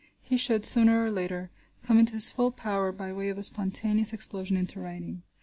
He should, sooner or later, come into his full power by way of a spontaneous explosion into writing.